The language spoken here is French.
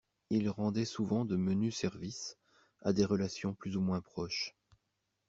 Il rendait souvent de menus services à des relations plus ou moins proches.